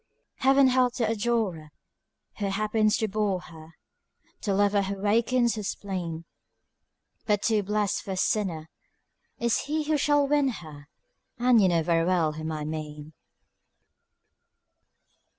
Heaven help the adorer Who happens to bore her, The lover who wakens her spleen; But too blest for a sinner Is he who shall win her, And you know very well whom I mean.